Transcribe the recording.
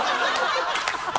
ハハハ